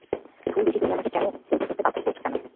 ধুর, রিচি তুমি আমাকে কেনো ঐটা করতে বাধ্য করছ কেনো?